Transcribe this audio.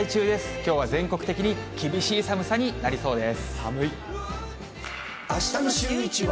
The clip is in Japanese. きょうは全国的に厳しい寒さになりそうです。